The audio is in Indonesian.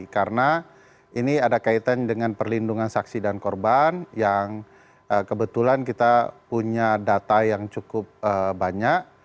karena ini ada kaitan dengan perlindungan saksi dan korban yang kebetulan kita punya data yang cukup banyak